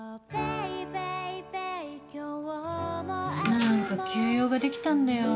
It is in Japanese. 何か急用ができたんだよ。